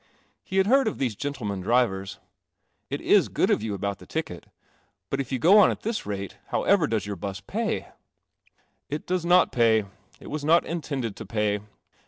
He had heard of these gentlemen drivers. " It is good of you about the ticket. But if you go on at this rate, however does your bus pay?" " It does not pay. It was not intended to pay.